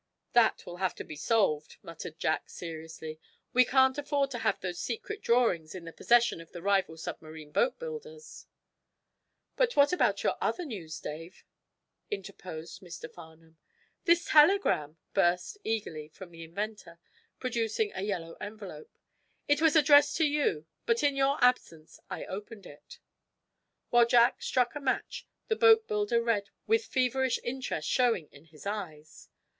"That will have to be solved," muttered Jack, seriously. "We can't afford to have those secret drawings in the possession of the rival submarine boat builders." "But what about your other news, Dave?" interposed Mr. Farnum. "This telegram!" burst, eagerly, from the inventer, producing a yellow envelope. "It was addressed to you, but in your absence I opened it." While Jack struck a match, the boatbuilder read with feverish interest showing in his eyes.